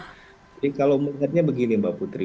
jadi kalau mengingatnya begini mbak putri